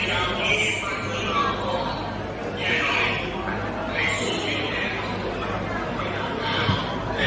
และกำลังประชาชนภูมิศักดิ์